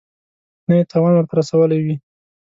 نه یې تاوان ورته رسولی وي.